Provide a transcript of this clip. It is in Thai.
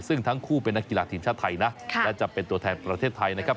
ซึ่งทั้งคู่เป็นนักกีฬาทีมชาติไทยนะและจะเป็นตัวแทนประเทศไทยนะครับ